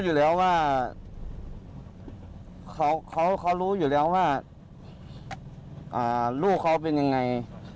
เพราะว่าเขาก็รู้อยู่แล้วว่าลูกเขาเป็นยังไง